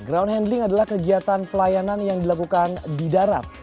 ground handling adalah kegiatan pelayanan yang dilakukan di darat